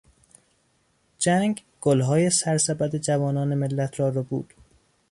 جنگ گلهای سرسبد جوانان ملت را ربود.